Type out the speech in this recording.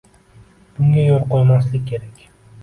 Bunga yo'l qo'ymaslik kerak